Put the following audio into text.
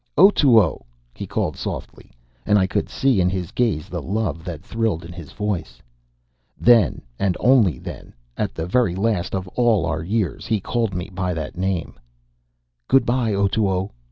"Otoo!" he called softly. And I could see in his gaze the love that thrilled in his voice. Then, and then only, at the very last of all our years, he called me by that name. "Good by, Otoo!"